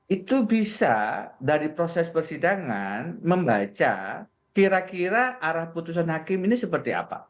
itu bisa dari proses persidangan membaca kira kira arah putusan hakim ini seperti apa